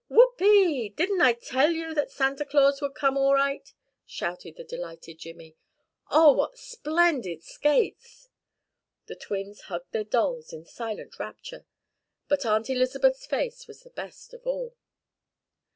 "Whoopee, didn't I tell you that Santa Claus would come all right!" shouted the delighted Jimmy. "Oh, what splendid skates!" The twins hugged their dolls in silent rapture, but Aunt Elizabeth's face was the best of all.